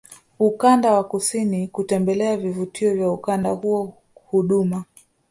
ukanda wa kusini kutembelea vivutio vya ukanda huo Huduma